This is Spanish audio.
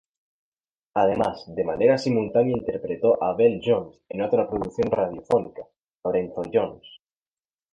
Además, de manera simultánea interpretó a Belle Jones en otra producción radiofónica, "Lorenzo Jones".